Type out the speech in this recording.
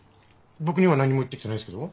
僕には何にも言ってきてないですけど。